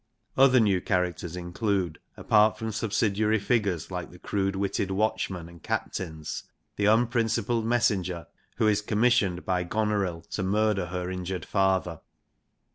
Other new characters include, apart from subsidiary figures like the crude witted watchmen and captains, the unprincipled messenger who is commissioned by Gonorill to murder her injured father.